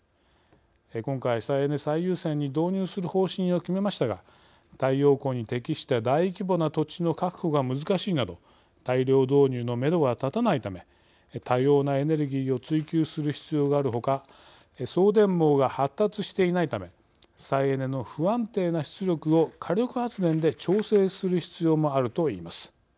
今回、再エネ最優先に導入する方針を決めましたが太陽光に適した大規模な土地の確保が難しいなど大量導入のメドがたたないため多様なエネルギーを追求する必要があるほか送電網が発達していないため再エネの不安定な出力を火力発電で調整する必要もあるといいます。